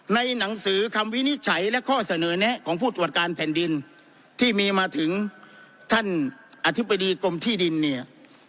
หนังสือคำวินิจฉัยและข้อเสนอแนะของผู้ตรวจการแผ่นดินที่มีมาถึงท่านอธิบดีกรมที่ดินเนี่ย